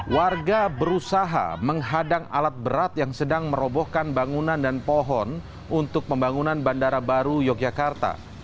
warga berusaha menghadang alat berat yang sedang merobohkan bangunan dan pohon untuk pembangunan bandara baru yogyakarta